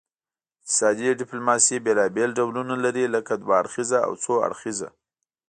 اقتصادي ډیپلوماسي بیلابیل ډولونه لري لکه دوه اړخیزه او څو اړخیزه